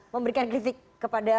memberikan kritik kepada